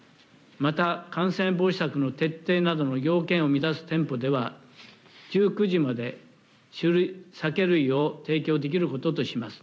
また、感染防止策の徹底などの要件を満たす店舗では、１９時まで酒類を提供できることとします。